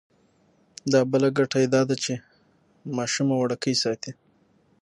دا بله ګټه یې دا ده چې ماشومه وړوکې ساتي.